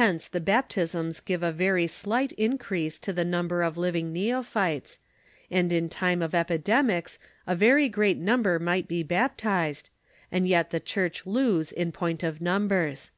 Hence the baptisms gave a very slight increase to the number of living neophytes, and in time of epidemics, a very great number might be baptized, and yet the church lose in point of numbers.